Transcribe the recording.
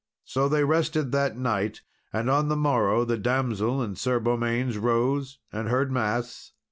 So they rested that night; and on the morrow, the damsel and Sir Beaumains rose, and heard mass.